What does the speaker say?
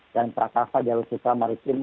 dan prakasa jalusutra maritim